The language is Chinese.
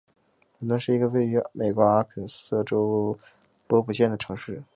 伦敦是一个位于美国阿肯色州波普县的城市。